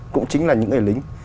cũng chính là những người lính